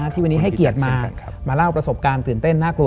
ที่วันนี้ให้เกียรติมามาเล่าประสบการณ์ตื่นเต้นน่ากลัว